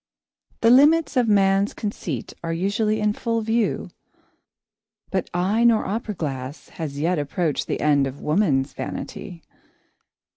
The limits of man's conceit are usually in full view, but eye nor opera glass has not yet approached the end of woman's vanity.